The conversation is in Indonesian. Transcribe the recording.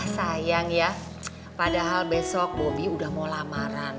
sayang ya padahal besok bobi udah mau lamaran